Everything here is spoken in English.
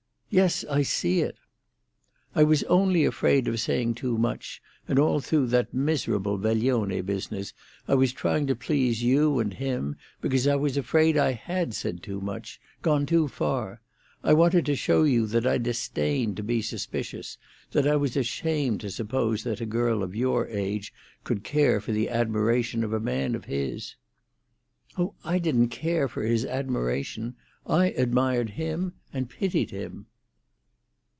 "Yes; I see it." "I was only afraid of saying too much, and all through that miserable veglione business I was trying to please you and him, because I was afraid I had said too much—gone too far. I wanted to show you that I disdained to be suspicious, that I was ashamed to suppose that a girl of your age could care for the admiration of a man of his." "Oh, I didn't care for his admiration. I admired him—and pitied him."